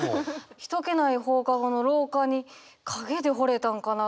人気ない放課後の廊下に影でほれたんかな？